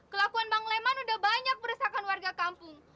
kelakuan bang leman udah banyak beresahkan warga kampung